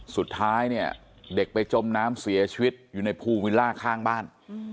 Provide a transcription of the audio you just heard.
สุดท้ายเนี่ยเด็กไปจมน้ำเสียชีวิตอยู่ในภูวิลล่าข้างบ้าน